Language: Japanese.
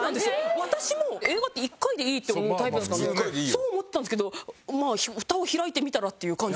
私も映画って１回でいいって思うタイプだったそう思ってたんですけどまあフタを開いてみたらっていう感じですよね。